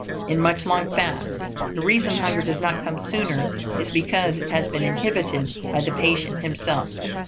In most long fasts, the reason hunger does not come sooner is because it has been inhibited by the patient himself.